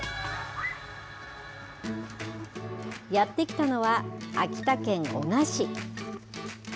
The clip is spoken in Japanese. やって来たのは、秋田県男鹿市。